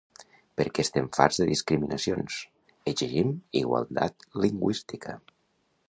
Perquè estem farts de discriminacions: exigim igualtat lingüística.